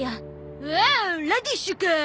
おおラディッシュか。